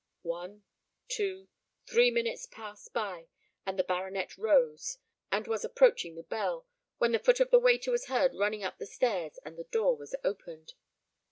One, two, three minutes passed by, and the baronet rose, and was approaching the bell, when the foot of the waiter was heard running up the stairs, and the door was opened.